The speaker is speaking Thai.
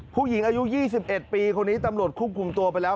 ผู้หญิงอายุ๒๑ปีคนนี้ตำรวจควบคุมตัวไปแล้ว